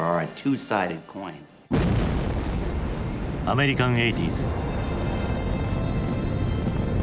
アメリカン・エイティーズ。